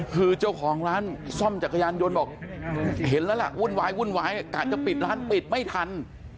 คือเจ้าของร้านซ่อมจักรยานยนต์บอกเห็นแล้วล่ะวุ่นวายวุ่นวายกะจะปิดร้านปิดไม่ทัน